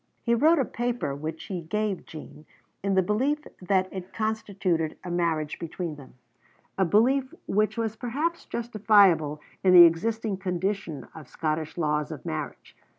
He wrote a paper which he gave Jean, in the belief that it constituted a marriage between them, a belief which was perhaps justifiable in the existing condition of Scottish laws of marriage.